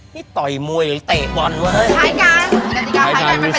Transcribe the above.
นี่ต่อยมวยอีกหรือเตะบอลขายกันผู้ชายมีสะเหมือน